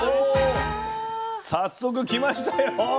早速来ましたよ。